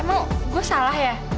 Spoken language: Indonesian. emang gue salah ya